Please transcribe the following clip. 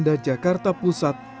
dan jakarta pusat